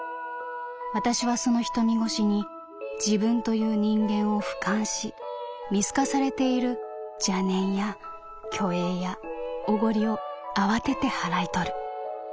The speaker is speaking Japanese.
私はその瞳越しに自分という人間を俯瞰し見透かされている邪念や虚栄やおごりを慌てて払い取る」。